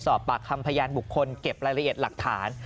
สอบปากคำพยานบุคคลเก็บรายละเอียดหลักฐาน